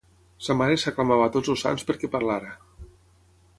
Sa mare s’aclamava a tots els sants perquè parlara.